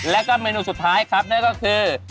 แล้วก็เมนูสุดท้ายครับนั่นก็คือ